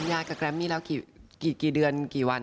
ยากับแรมมี่แล้วกี่เดือนกี่วัน